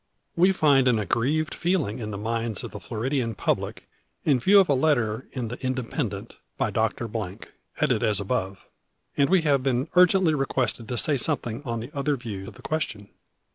We find an aggrieved feeling in the minds of the Floridian public in view of a letter in "The Independent," by Dr. , headed as above; and we have been urgently requested to say something on the other view of the question.